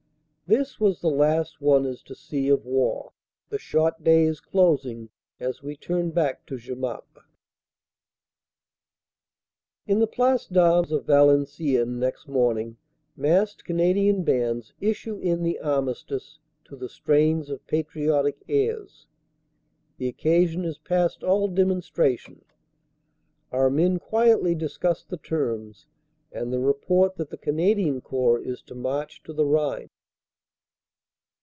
That was the last one is to see of war. The short day is closing as we turn back to Jemappes. In the Place d Armes of Valenciennes next morning massed Canadian bands issue in the Armistice to the strains of patriotic airs. The occasion is past all demonstration. Our men quietly discuss the terms and the report that the Canadian Corps is to march to the Rhine.